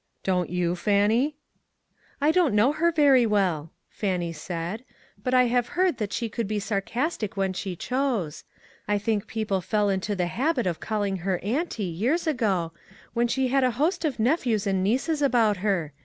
Don't you, Fannie?" " I don't know her very well," Fannie said, " but I have heard that she could be sarcastic when she chose. I think people fell into the habit of calling her 'auntie' years ago, when she had a host of nephews and nieces about her.